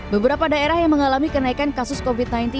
beberapa daerah yang mengalami kenaikan kasus covid sembilan belas